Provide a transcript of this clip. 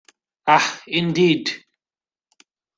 Ah, indeed.